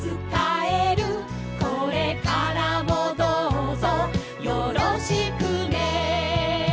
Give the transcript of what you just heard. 「これからもどうぞよろしくね」